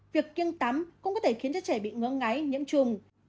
việc kiêng tắm cũng có thể khiến cho trẻ bị ngỡ ngáy nhiễm trùng